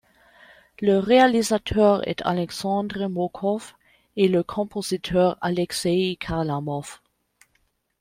Le réalisateur est Alexandre Mokhov et le compositeur Alexeï Kharlamov.